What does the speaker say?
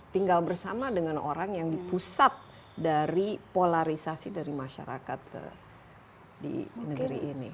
tinggal bersama dengan orang yang di pusat dari polarisasi dari masyarakat di negeri ini